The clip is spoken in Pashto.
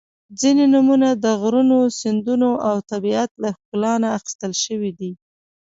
• ځینې نومونه د غرونو، سیندونو او طبیعت له ښکلا نه اخیستل شوي دي.